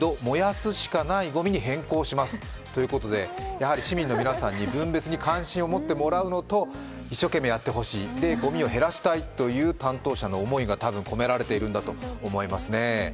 やはり市民の皆さんに分別に関心を持ってもらうのと一生懸命やってほしい、ごみを減らしたいという担当者の思いが多分込められているんだと思いますね。